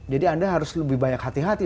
jadi anda harus lebih banyak hati hati